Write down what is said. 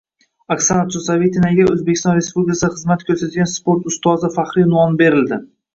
Oksana Chusovitinaga “O‘zbekiston Respublikasida xizmat ko‘rsatgan sport ustozi” faxriy unvoni berildi